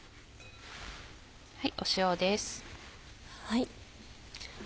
塩です。